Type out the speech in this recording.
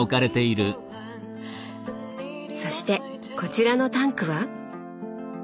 そしてこちらのタンクは？